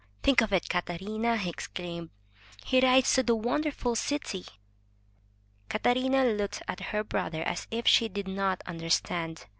'Think of it, Catarina!" he exclaimed. He rides to the wonderful city." Catarina looked at her brother as if she did not understand.